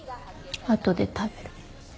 あとで食べる。